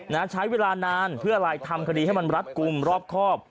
ใช้เวลานานเพื่ออะไรทำคดีให้มันรัดกลุ่มรอบครอบ